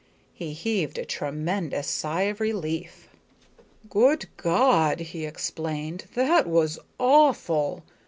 He heaved a tremendous sigh of relief. "Good God!" he exclaimed. "That was awful.